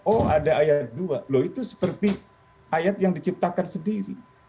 oh ada ayat dua loh itu seperti ayat yang diciptakan sendiri